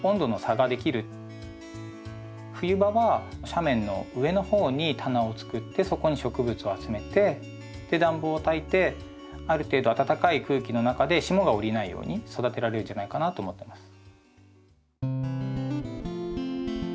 冬場は斜面の上の方に棚を作ってそこに植物を集めてで暖房をたいてある程度暖かい空気の中で霜が降りないように育てられるんじゃないかなと思ってます。